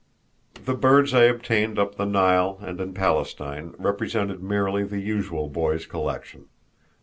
The birds I obtained up the Nile and in Palestine represented merely the usual boy's collection.